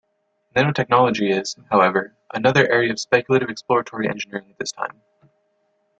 Nanotechnology is, however, another area of speculative exploratory engineering at this time.